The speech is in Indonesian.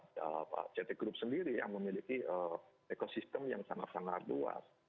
jadi ini adalah potensi dari ct group sendiri yang memiliki ekosistem yang sangat sangat luas